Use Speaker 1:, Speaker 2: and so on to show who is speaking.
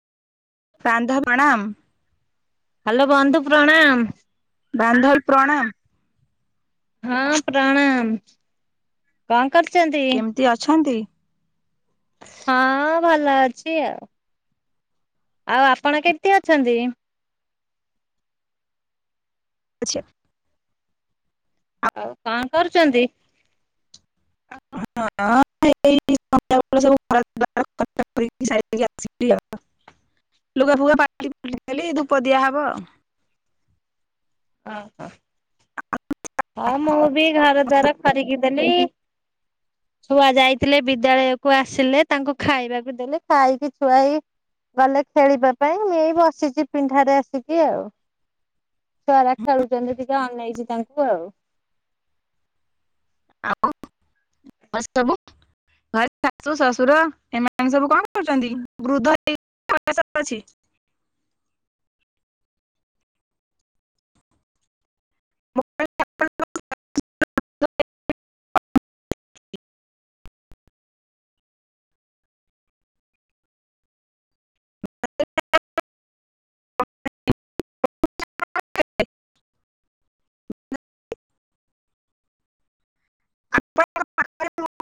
Speaker 1: କାନ୍ଧା ପ୍ରଣାମ୍।
Speaker 2: ହାଲୋ ବନ୍ଧୁ ପ୍ରଣାମ୍।
Speaker 1: ବାନ୍ଧଲ ପ୍ରଣାମ୍।
Speaker 2: ହଁ ପ୍ରଣାମ, କଣ କରୁଚନ୍ତି?
Speaker 1: [unintelligible] ଅଛନ୍ତି?
Speaker 2: ହଁ ଭଲ ଅଛି ଆଉ। ଆଉ ଆପଣ କେମ୍ତି ଅଛନ୍ତି?
Speaker 1: [inaudible]
Speaker 2: ଆଉ କଣ କରୁଚନ୍ତି?
Speaker 1: [inaudible] [inaudible] ଲୁଗା ଫୁଗା ପାଲଟିଲି ଖୋଲି ଖାଲି ଧୂପ ଦିଆହବ।
Speaker 2: ଅ ହ। ହଁ ମୁଁ ବି ଘର ଦ୍ୱାର ଖରିକି ଦେଲି। ଛୁଆ ଯାଇଥିଲେ ବିଦ୍ୟାଳୟକୁ ଆସିଲେ ତାଙ୍କୁ ଖାଇବାକୁ ଦେଲି ଖାଇକି ଛୁଆ ଏଇ ଗଲେ ଖେଳିବା ପାଇଁ ମୁଇଁ ଏଇ ବସିଛି ପିଣ୍ଡା ରେ ଆସିକି ଆଉ। ଛୁଆଗୁରା ଖେଳୁଚନ୍ତି ଟିକେ ଅନେଇଚି ତାଙ୍କୁ ଆଉ।
Speaker 1: ଆଉ ଘରେ ସବୁ? ଘରେ ଶାଶୁ ଶଶୁର ଏମାନେ ସବୁ କଣ କରୁଛନ୍ତି ବୃଦ୍ଧ ହେଇ [unintelligible] ଅଛି। [inaudible] [inaudible] [inaudible] ଆପଣ ଙ୍କ ପାଖରେ ମୁଁ